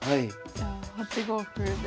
じゃあ８五歩で。